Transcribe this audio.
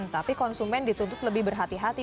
tapi konsumen dituntut lebih berhati hati